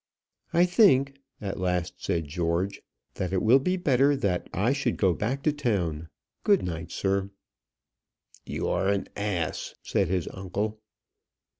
"I think," at last said George, "that it will be better that I should go back to town. Good night, sir." "You are an ass," said his uncle.